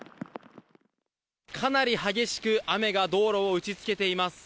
かなり激しく雨が道路を打ちつけています。